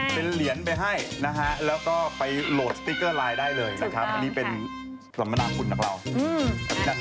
เป็นเหรียญไปให้นะฮะแล้วก็ไปโหลดสติกเกอร์ไลน์ได้เลยนะครับสำมัครพุทธนักรัวทำหน้าการ